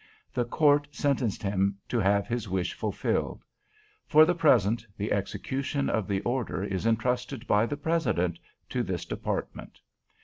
"The Court sentenced him to have his wish fulfilled. "For the present, the execution of the order is intrusted by the President to this Department.